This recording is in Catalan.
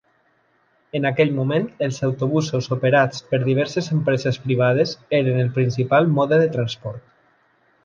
En aquell moment, els autobusos operats per diverses empreses privades eren el principal mode de transport.